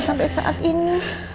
sampai saat ini